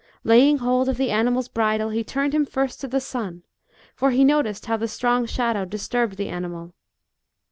Laying hold of the animal's bridle, he turned him first to the sun, for he noticed how the strong shadow dis turbed the animal.